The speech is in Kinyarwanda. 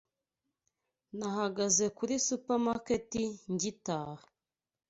Nahagaze kuri supermarket ngitaha.